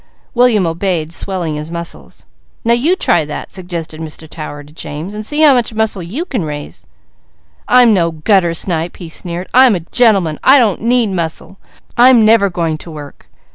William obeyed, swelling his muscles. "Now you try that," suggested Mr. Tower to James, "and see how much muscle you can raise." "I'm no gutter snipe," he sneered. "I'm a gentleman! I don't need muscle. I'm never going to work."